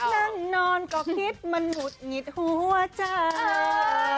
นั่งนอนก็คิดมันหุดหงิดหัวใจ